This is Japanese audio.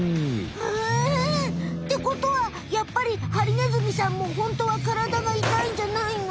あ！ってことはやっぱりハリネズミさんもホントはからだがいたいんじゃないの？